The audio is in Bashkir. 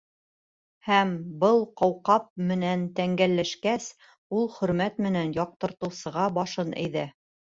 Һәм, был ҡауҡаб менән тәңгәлләшкәс, ул хөрмәт менән яҡтыртыусыға башын эйҙе.